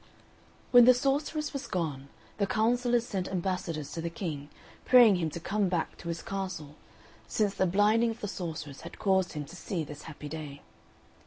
When the sorceress was gone, the councillors sent ambassadors to the King, praying him to come back to his castle, since the blinding of the sorceress had caused him to see this happy day.